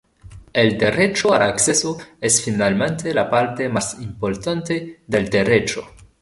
El derecho al acceso es finalmente la parte más importante del derecho.